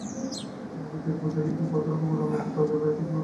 হৃদয়ের পূজাকে কি পথের কুকুরের মতো দরজার বাইরে থেকে খেদিয়ে দিতে হবে মক্ষীরানী?